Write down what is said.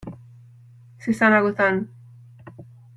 Se están agotando.